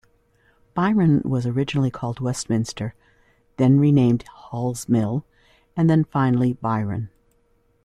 Byron was originally called Westminster, then renamed Hall's Mill, and then finally Byron.